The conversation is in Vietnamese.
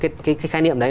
cái khai niệm đấy